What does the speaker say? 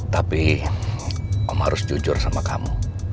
tapi om harus jujur sama kamu